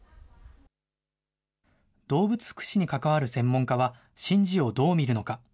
動物福祉に関わる専門家は、神事をどう見るのか。